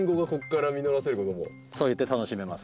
そうやって楽しめます。